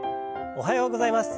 おはようございます。